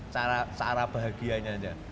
cara bahagianya aja